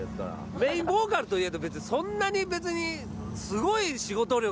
メインボーカルといえどそんなに別にすごい。